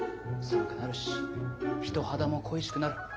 寒くなるし人肌も恋しくなる。